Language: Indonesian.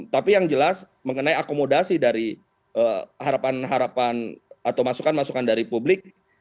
tapi yang jelas mengenai akomodasi dari harapan harapan atau masukan masukan dari publik